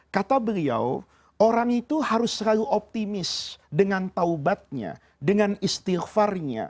kata beliau orang itu harus selalu optimis dengan taubatnya dengan istighfarnya